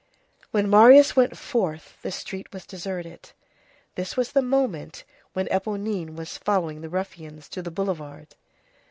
When Marius went forth, the street was deserted. This was the moment when Éponine was following the ruffians to the boulevard.